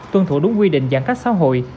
tuân thủ đúng quy định giãn cách xã hội